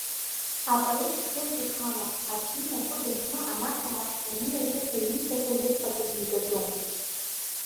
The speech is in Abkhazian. Апоет дцоит ихала, аӡәгьы инапы данкны анахь-арахь ани-ари ҳәа ииҭаху ирҟаҵо дигаӡом.